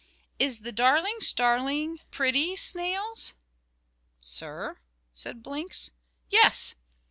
"Is the darling starling pretty, snails?" "Sir?" said Blinks. "Yes!"